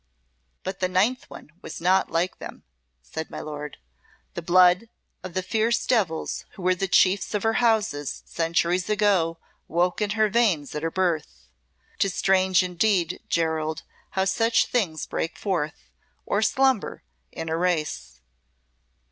"But the ninth one was not like them," said my Lord. "The blood of the fierce devils who were the chiefs of her house centuries ago woke in her veins at her birth. 'Tis strange indeed, Gerald, how such things break forth or slumber in a race.